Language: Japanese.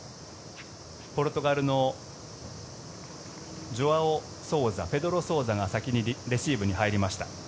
ポルトガルのジョアオ・ソウザペドロ・ソウザが先にレシーブに入りました。